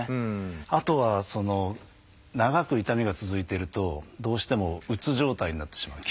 あとは長く痛みが続いてるとどうしてもうつ状態になってしまう。